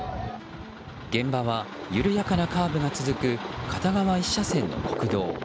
現場は緩やかなカーブが続く片側１車線の国道。